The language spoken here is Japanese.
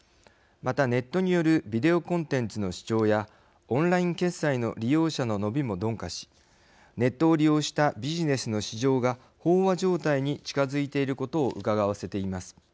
またネットによるビデオコンテンツの視聴やオンライン決済の利用者の伸びも鈍化しネットを利用したビジネスの市場が飽和状態に近づいていることをうかがわせています。